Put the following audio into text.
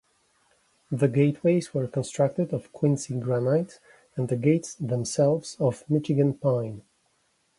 The gateways were constructed of Quincy granite and the gates themselves of Michigan pine.